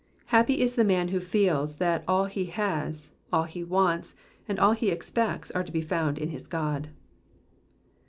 Happy is the man who feels that all he has, all he wants, and all he expects are to be found in his God.